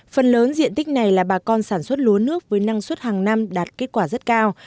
phần lớn diện tích này là bà con sản xuất lúa nước với năng suất hàng năm đạt kết quả rất cao